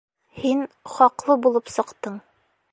Һин хаҡлы булып сыҡтың.